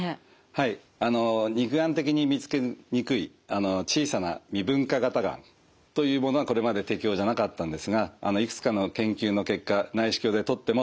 はい肉眼的に見つけにくい小さな未分化型がんというものはこれまで適応じゃなかったんですがいくつかの研究の結果内視鏡で取ってもですね